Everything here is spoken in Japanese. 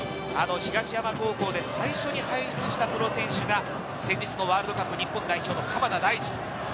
東山高校で最初に輩出したプロ選手が先日のワールドカップ日本代表の鎌田大地。